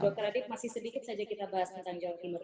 dr adib masih sedikit saja kita bahas tentang jawa timur